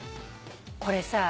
これさ。